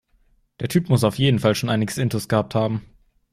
Der Typ muss auf jeden Fall schon einiges intus gehabt haben.